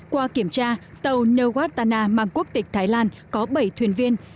qua kiểm tra tàu nelwattana mang quốc tịch thái lan có bảy thuyền viên